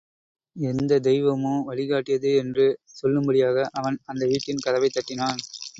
எந்தத் தெய்வமோ வழிகாட்டியது என்று சொல்லும்படியாக, அவன் அந்த வீட்டின் கதவைத் தட்டினான்.